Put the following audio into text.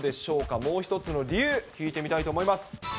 もう一つの理由、聞いてみたいと思います。